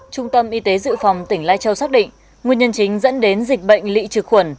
trung tâm y tế dự phòng tỉnh lai châu xác định nguyên nhân chính dẫn đến dịch bệnh lị trừ khuẩn